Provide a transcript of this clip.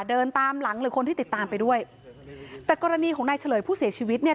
เดินตามหลังหรือคนที่ติดตามไปด้วยแต่กรณีของนายเฉลยผู้เสียชีวิตเนี่ย